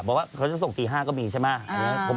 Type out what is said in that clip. เพราะว่าเขาจะส่งตี๕ก็มีใช่ไหม